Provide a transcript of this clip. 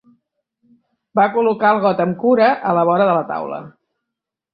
Va col·locar el got amb cura a la vora de la taula.